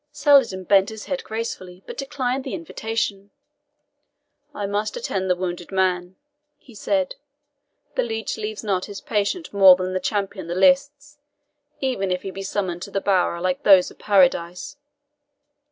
Saladin bent his head gracefully, but declined the invitation. "I must attend the wounded man," he said. "The leech leaves not his patient more than the champion the lists, even if he be summoned to a bower like those of Paradise.